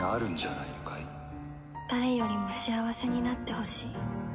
「誰よりも幸せになってほしい」